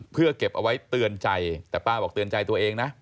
เพื่อเก็บเอาไว้เตือนใจแต่ป้าบอกเตือนใจตัวเองนะ